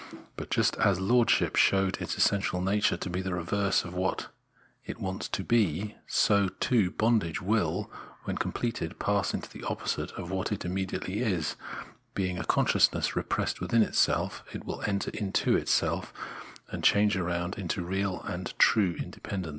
But just as lordship showed its essential nature to be the reverse of what it wants to be, so, too, bondage will, when completed, pass into the opposite of what it immediately is : being a consciousness repressed within itself, it will enter into itself, and change round into real and true independence.